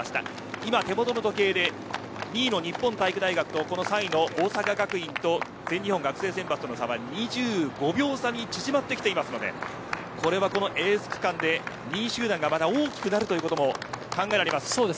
今、手元の時計で２位の日本体育大学と３位の大阪学院と全日本学生選抜との差は２５秒差に縮まってきていますのでこれは、このエース区間で２位集団が大きくなることも考えられます。